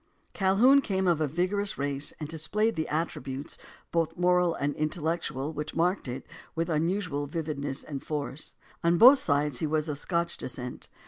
Calhoun came of a vigorous race and displayed the at tributes, both moral and intellectual, which marked it, with unusual vividness and force. On both sides he was of Scotch descent.